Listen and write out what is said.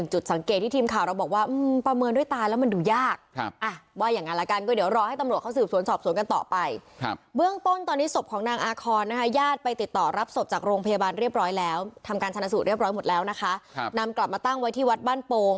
หมดแล้วนะคะนำกลับมาตั้งไว้ที่วัดบ้านโปรง